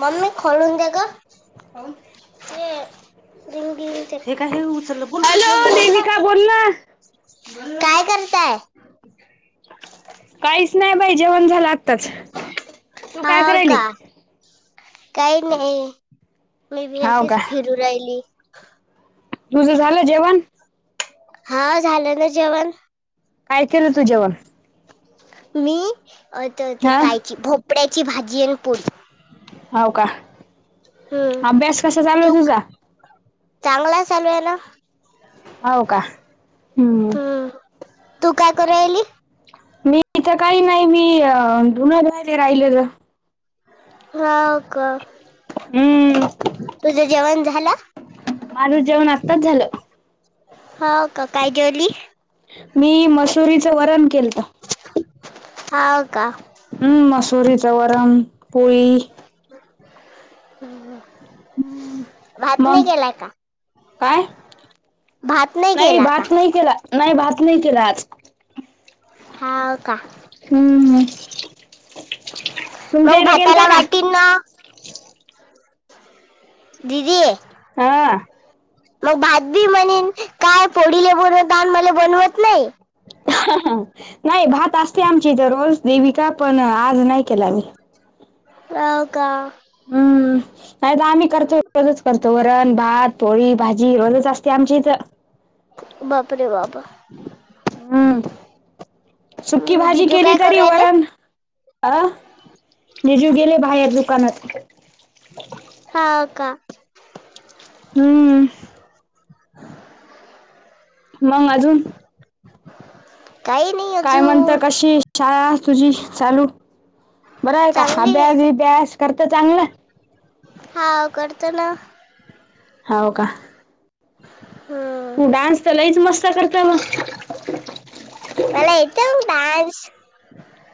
Mummy खोलून दे ग. काय? ते- हे काय हे उचललं बोल हॅलो बोल, बोलना. देविका बोल ना काय करताय? काहीच नाही बाई. जेवण झालं आत्ताच. तू काय हाव करायली? का काही नाही. मी बी हाव का अशीच फिरू राहिली. तुझं झालं जेवण? हा. झालं ना जेवण. काय केलं तु जेवण? मी त ते हा कायची भोपड्याची भाजी आणि पोळी. होव का? हम्म. अभ्यास कसा चालू आहे तू तुझा चांगला चालू आहे ना. होव का? हम्म. तू काय करू राहिली मी इथं काही नाही. मी धुन धुवू राहिले ग. हाव का? हम्म तुझं जेवण झालं? माझ जेवण आत्ताच झालं. हाव का? काय जेवली? मी मसुरीच वरण केलत. हाव का? हम्म. मसुरीचा वरण पोळी. भात मग नाही केला का? काय? भात नाही केला का भात नाही केला. नाही भात नाही केला आज. हाव का? हम्म तुमच्या इथे केलता का? [unintelligible] दीदीए. हा. मग भात बी म्हणेन काय पोडीले बोनवतान मला बोनवत नाही. [unintelligible] नाही भात असते आमच्या इथं रोज देविका पण आज नाही केला मी. हाव का? हम्म नाही तर आम्ही करतो रोजच करतो वरण, भात, पोळी भाजी रोजच असते आमच्या इथं. बापरे बाबा. हम्म सुक्की हम्म, भाजी जिजू केली काय करू तरी राहिले वरण अ जिजू गेले बाहेर दुकानात. हाव का? हम्म. मंग अजून? काही नाई काय म्हणतं कशी शाळा तुझी चालू बर हाय का? चांगली अभ्यास आहे बीभ्यास करतं चांगल? हाव कडतो ना. हाव का? तू हम्म. डान्स तर लईच मस्त करत म मला येतो डांश.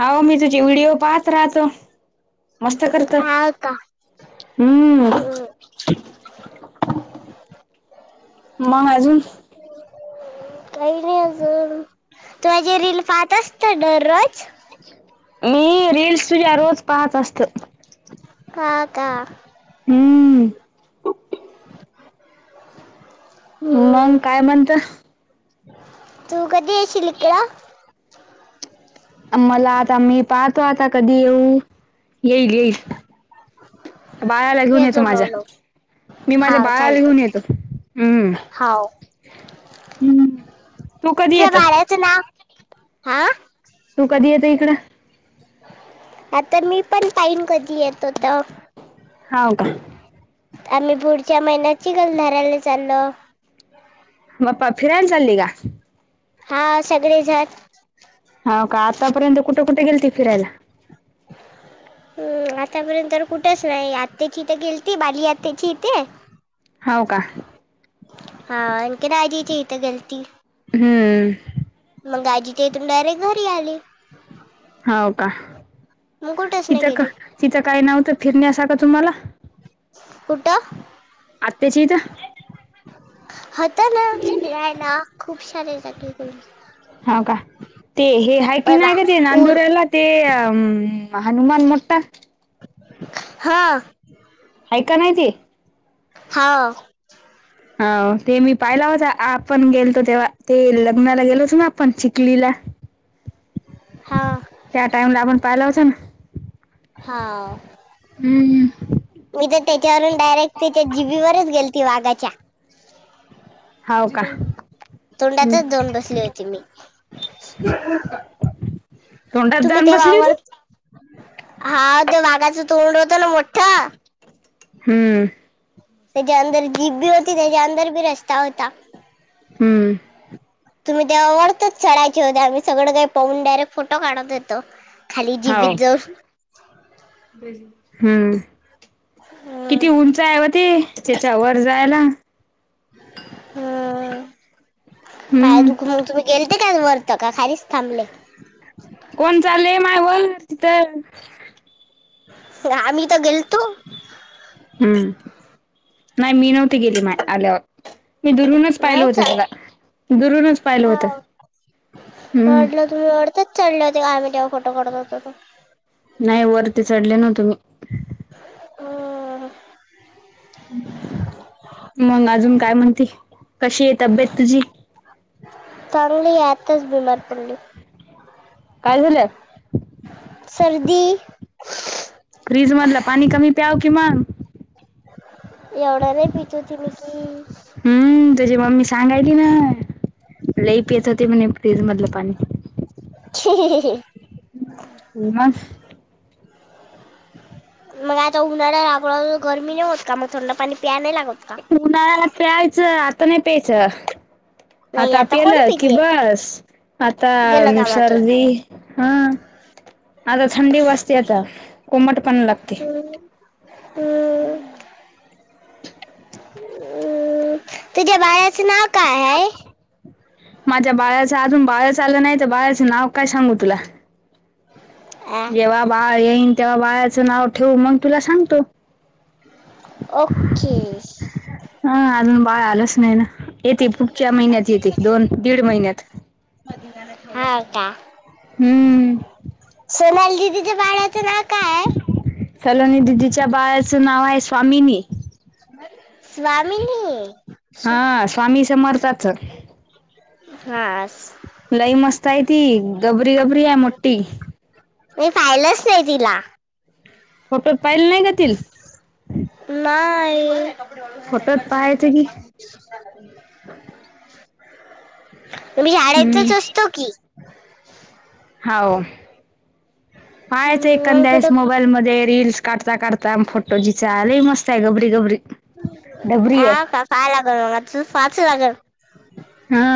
हाव मी तुझी व्हिडिओ पाहत राहतो. मस्त करतं हा का हम्म. मग अजू? काई नाई अजून. तू माझे रील पाहत असतं डरोज. मी रील्स तुझ्या रोज पाहत असतं. हा का? हम्म. [inaudible] मंग हम्म. काय म्हणतं? तू कधी येशील इकडं? अ मला आता मी पाहतो आता कधी येऊ? येईल येईल. बाळाला घेऊन ये येतो माझ्या. जमवलो मी माझ्या हा बाळाला चालते घेऊन येतो, हम्म. हाव हम्म. तू कधी येत? हाव तू कधी येतं इकडं? आता मी पण पाईन कधी येतो त. हाव का? आम्ही पुढच्या महिन्यात चिखलधाराला चालो. म पा फिरायला चाली का? हा सगळे झत हाव का, आतापर्यंत कुट कुट गेलती फिरायला? [inaudible] हम्म आतापर्यंत तर कुठच नाई, आत्त्याची ईत गेलती बाली आत्त्याची इते. हाव का? हा अंकिता आज्जीच्या इथं गेलती. हम्म. मंग आजीच्या इथून डायरेक्ट घरी आली. हाव का मग कुठंच नाही तिथं का गेली तिथं काय नव्हतं फिरण्यासारखं तुम्हाला? कुट? आत्याच्या इथं- [inaudible] होता ना फिरायला खूप सारे जागे ग.. हाव का? ते हे हाय किन कायरे ते ऊन नांदुर्याला ते अ हनुमान मो्ठा. हा. हायका नाही ते? हा. हाव ते मी पाहिला होता आपण गेलतो तेव्हा ते लग्नाला गेलो होत ना आपण चिखलीला. हा. त्या टाइम ला आपण पाहिला होतना. हाव. हम् हम. मी तर त्याच्यावरून डायरेक्ट त्याच्या जिबी वरच गेलते वाघाच्या. होव का. तोंडातच जाऊन बसली होती मी. [inaudible] तोंडात तुम्ही जाऊन ते बसली होती? वावर हा ते वाघाच तोंड होत ना मोठ्ठ. हम्म. त्याच्या अंदर जीप बी होती त्याच्या अंदर बी रस्ता होता. हम्म. ह.. तुम्ही तेव्हा ओढतोच शळायच्या हो आम्ही सगळ काही पाहून डायरेक्ट फोटो काढता होतो. खाली हाव. जीबीत जाउ- हम्म हम्म, किती उंच आहे व ते. त्याच्या वर जायला. हम पाय हम्म दुखून मग तुम्ही गेलते का वरत का खालीच- थांबले. कोण चालेय माय वर तिथ- आम्ही त गेलतो‌. हम्म, नाही मी नव्हती गेली माय आल्यावर- मी दुरूनच पाहिल नाही होत का त्याला दुरूनच पाहिल होत. हो. हम्म. वाटलं तुम्ही वरतीच चढले होते का आम्ही तेव्हा फोटो काढत होतो त. नाही वरती चढले नवतेमी. हह... मग अजून काय म्हणते कशी आहे तब्येत तुझी? चागली हे आताच बीमार पडली. काय झालयात? सर्दी. फ्रीज मधलं पाणी कमी प्याव कि मग- एवढं नाही पीतो होती मिकी- हम्म तुझी मम्मी सांगायली ना लई पेत होती म्हणे फ्रिज मधलं पाणी- हहहह [unintelligible] [inaudible] मग आता उन्हाळा आ गरमी नाही होत का मग थंड पाणी प्या नाही लागत का? उन्हाळ्या ला प्यायच आता नाही प्यायच नाही आता पेल कोण की पिते बस- आता गेलं कामातून सर्दी- हं आता थंडी वाचते आता कोमट पाणी लागते. [inaudible] हम्म, तुझ्या बाळाच नाव काय आहे? माझ्या बाळाचं अजून बाळाच आलं नाही तर बाळाचं नाव काय सांगू तुला. आ, जेव्हा बाळ येईन तेव्हा बाळाचं नाव ठेवू मग. तुला सांगतो. ओके हा अजून बाळ आलंच नाही ना येते पुढच्या महिन्यात येते दोन, दीड महिन्यात. हाव का. हम्म. सोनाली दिदि च्या बाळाचं नाव काय आहे? सोनाली दिदीच्या बाळाचं नाव आहे स्वामिनी. स्वामीनी. हा स्वामी समर्थाचं. हा आस. लई मस्त आहे ती गबरी, गबरी आहे मोठी. मी पाहिलंच नाही तिला. फोटो पाहिले नाही का तील? नाही कपडे वाळू घालत आहे फोटोत कट झालं कि पाहायचं की सांग मले. मी हम्म शाळेतच असतो की. [unintelligible] हो पायच हम्म, एखंद्यास वेळेस कुठं मोबाईल मध्ये रीलस काढता, काढता. म फोटोजी चाले मस्त आहे गबरी, गबरी, गबरी आहे. पाय लागन आता तर पाहाच लागन. हा.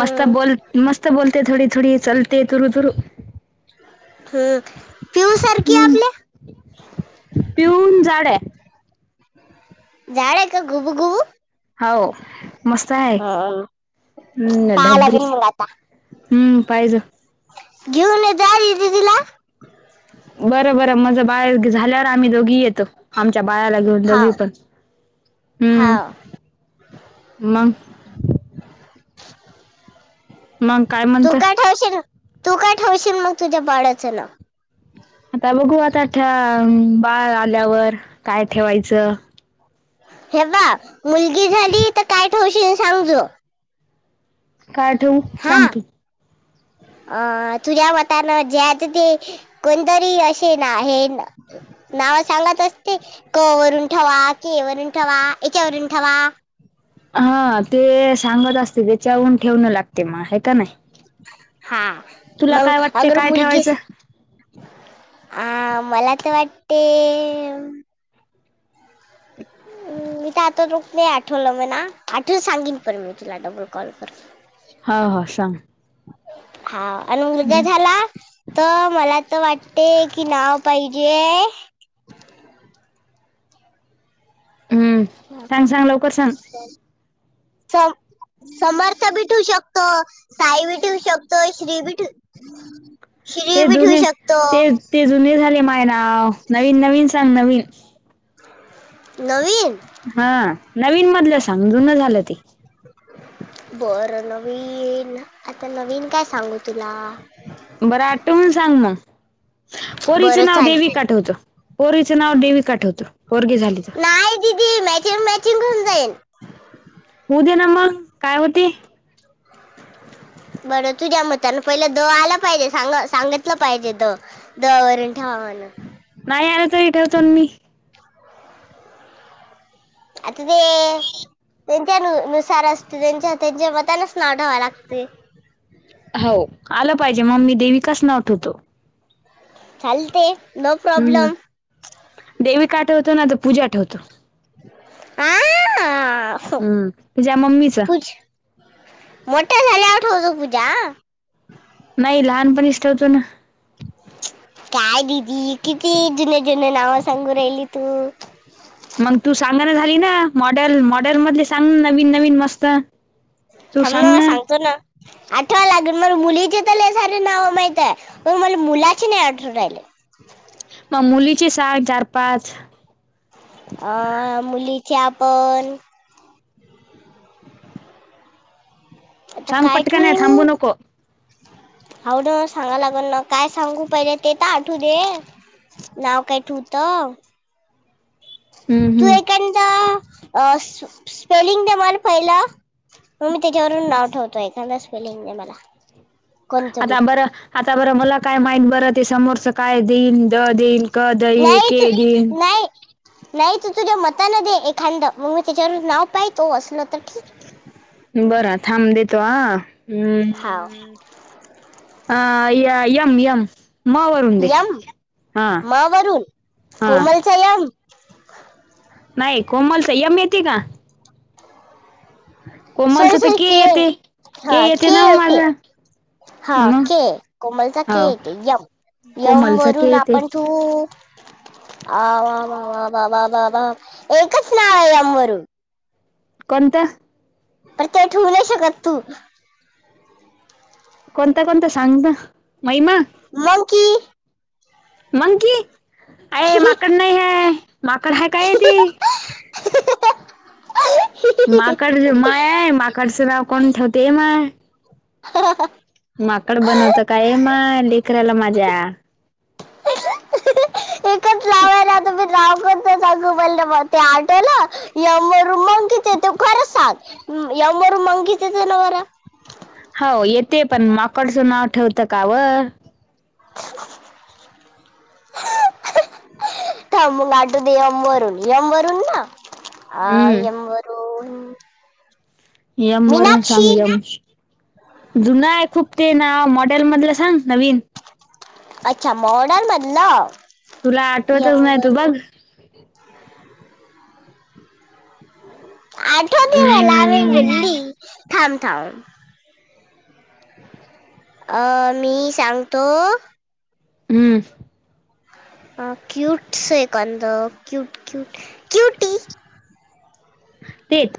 मस्त बोल मस्त बोलते थोडी, थोडी चलते तुरु, तुरु हम्म, पिऊ सारखी आपल्या? पिऊ हुन जाड आहे. जाड हाय ए का गुबु, गुबू? हाव मस्त आहे. हा हम्म पाहा डबकी, लागेल मग आता हम्म पायजो. घेऊन येजा [unintelligible] दिदी ला. बरं, बरं माझं बाळ झाल्यावर आम्ही दोघी येत आमच्या बाळाला घेऊन दोघी हाव पण, हम्म. हाव मग. मग काय तू म्हणत काय ठेवशिल? तू काय ठेवशील मग तुझ्या बाळाचं नाव? आता बघू आता बाळ आल्यावर काय ठेवायचं. हे बा मुलगी झाली तर काय ठेवशील सांगजो? काय ठेऊ? हा अ तुझ्या मतानं ज्याच ते. कोनतरी असे नाही आहे. नाव सांगत असते क वरून ठेवा, की वरून ठेवा, याच्यावरून ठेवा हा ते सांगत असते त्याच्यावरून ठेवणं लागते मग हे का नाही? हा तुला काय मग वाटते अगर काय ठेवायचं? मुलगीच अ मला तर वाटते. हम्म... मी तर आता रोक नाही आठवलं म्हणा आठवुन सांगिन पण मी तुला डबल कॉल करून. हाव हो सांग. हा आणि मुलगा झाला तर मला त वाटते की नाव पाहिजे हम्म ह सांग सांग लवकर सांग सोम समर्थ बी ठेवू शकतो, साई बी ठेव शकतो, श्री बी ठेव ते जुने ते-ते जुने झाले माय नाव नवीन-नवीन सग नवीन. नवीन. हा नवीन मधलं सांग जुना झालं ते. बरं नवीन आता नवीन काय सांगू तुला? बरं आठवून सांग मगं पोरीच बरं नाव देवी चालते का ठेवतो पोरीचं नाव देवी का ठेवतो पोरगी झाली तर? ते मॅचिंग-मॅचिंग होऊन जाईन. होऊ दे ना मग काय होते. [unintelligible] बरं तुझ्या मतान पहिलं द आला पाहिजे सांग सांगितलं पाहिजे द. द वररून ठेवा म्हणून. नाही आल तरी ठेवतोन मी. आता ते त्यांच्या न नुसार असते त्यांच्या त्यांच्या मतानच नाव ठ्यावावा लागते. हो आलं पाहिजे म ममी देवीकास नाव ठेवतो. चालते नो हम्म. प्रॉब्लेम. देविका ठेवतो ना तर पूजा ठेवतो. आ-आ-आ हा हम्म तुझ्या मम्मीच. पूज मोठ्या झाल्यावर ठवतो पूजा. नाही लहानपणीच ठेवतो ना. काय दिदी किती जुन-जुन नाव सांगून राहिली तू. मग तू सांगाना झाली ना मॉडेल-मॉडेल मधले सांग नवीन-नवीन मस्त. तू सांग थांब सांगतो ना आठवा लागेल मग मुलीचे त लई सारे नावं माहितय. पण मला मुलाची नाही आठवू राहिले. मग मुलीची सांग चार पाच अ मुलीच्या पण. आता सांग काय पटकन आहे ठेवू. थांबू नको होव ना सांगाला लाग ना काय सांगू पाहिजे ते तर आठवू दे. नाव काय ठेवूत. हम्म, तू हम्म. एखदा स्पेलिंग दे मला पाहिल. मग मी त्याच्यावरून नाव ठवतो एखाद स्पेलिंग दे मला. कोणतं बी आता बरं आता बरं मला काय माहित बर ते समोरचं काय देन द देईन. क दई नाही के तू देईन. नाही नाही तु तुझ्या मतान दे एखाद मग मी त्याच्यावर नाव पाहि तो असलं तर ठीक. बर थांब देतो आ हम्मं. हा अ एम येम. यम म वरु हा कोमलचा यम. नाही कोमलचा यम येते का? सॉरी कोमलचं तर सॉरी के येते हा येते के ना हो ते. माझं हा मग के कोमलता के हो येते यम यम कोमलच ते वरून येते आपण चू आ वाम वा वा बाबा बाबा एक स्नाळया वर कोणत. तर ते ठेवू नाही शकत तू. कोणत-कोणत सांगना महिमा. मंकी. मंकी अय माकड नाही है. माकड हाय का काय ती. माकड मा आहेय माकडच नाव कोण ठेवताय ए माय. [unintelligible] माकड बनवता काय, ये माय लेकराला माझ्या. रा [unintelligible] [inaudible] गब ते आटवला य मग किथ तू खर सांग [unintelligible] यव मर मंगीत जनावार [unintelligible] हो येते पण माकडचं नाव ठेवतं का व? [unintelligible] [inaudible] मग आठू दे. यम वरून ना [unintelligible] आ एम वरून [unintelligible] यम वरून सांग, मीनाक्षी एम वरून- जुना आहे, खूप ते नाव मॉडेल मधलं सांग नवीन. अच्छा. मॉडेल मधलं. तुला यम आठवतच नाही तू बघ. वरून आठवते मला, मी हम्म बोलली थांब, थांब. अ मी. सांगतो. हम्म. क्यूट्स क्यू क्यूटी [unintelligible] तेच.